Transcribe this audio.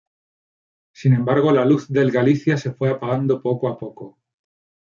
Sin embargo, la luz del Galicia se fue apagando poco a poco.